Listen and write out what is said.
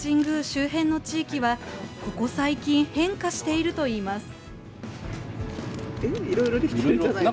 周辺の地域は、ここ最近変化しているといいます。